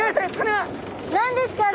何ですか？